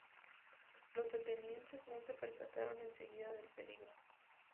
Los atenienses no se percataron enseguida del peligro.